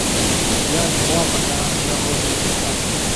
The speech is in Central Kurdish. یا دەوام ئەکا تا ڕۆژی حیساب